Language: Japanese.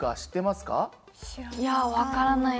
いや分からないです。